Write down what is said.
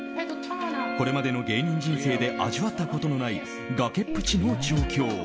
これまでの芸人人生で味わったことのない崖っぷちの状況。